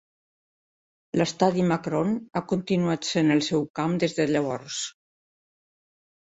L'estadi Macron ha continuat sent el seu camp des de llavors.